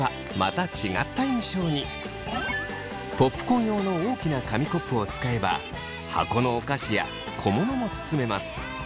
ポップコーン用の大きな紙コップを使えば箱のお菓子や小物も包めます。